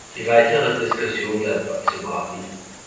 Die weitere Diskussion bleibt abzuwarten.